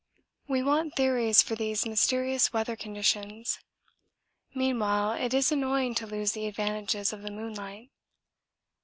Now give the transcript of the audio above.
We want theories for these mysterious weather conditions; meanwhile it is annoying to lose the advantages of the moonlight.